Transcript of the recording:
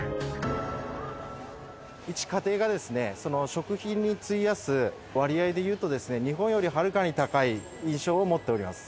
一家庭が食品に費やす割合でいうと、日本よりはるかに高い印象を持っております。